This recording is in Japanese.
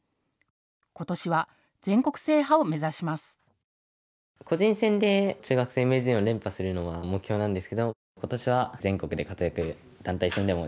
今年は全国制覇を目指します。